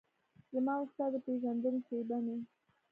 زما او ستا د پیژندنې شیبه مې